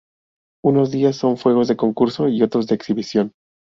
Unos días son fuegos de concurso y otros de exhibición.